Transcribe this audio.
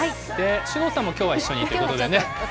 首藤さんもきょうは一緒にということでね。